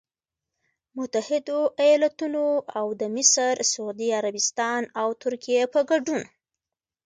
متحدوایالتونو او د مصر، سعودي عربستان او ترکیې په ګډون